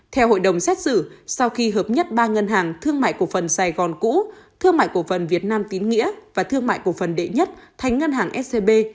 theo hội đồng xét xử sau khi hợp nhất ba ngân hàng thương mại cổ phần sài gòn cũ thương mại cổ phần việt nam tín nghĩa và thương mại cổ phần đệ nhất thành ngân hàng scb